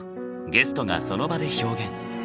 ゲストがその場で表現。